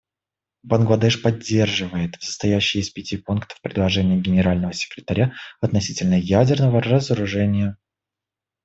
Бангладеш поддерживает состоящее из пяти пунктов предложение Генерального секретаря относительно ядерного разоружения.